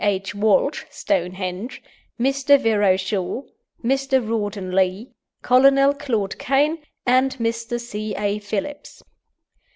H. Walsh ("Stonehenge"), Mr. Vero Shaw, Mr. Rawdon Lee, Colonel Claude Cane, and Mr. C. A. Phillips.